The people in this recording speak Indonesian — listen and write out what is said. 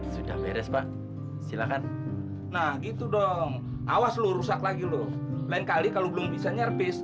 sudah beres pak silakan nah gitu dong awas lu rusak lagi loh lain kali kalau belum bisa nyerps